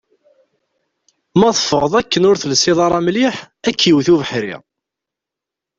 Ma teffɣeḍ akken ur telsiḍ ara mliḥ, ad k-iwet ubeḥri.